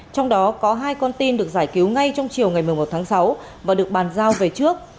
trong đó có hai con tin được giải cứu ngay trong chiều ngày một mươi một tháng sáu và được bàn giao về trước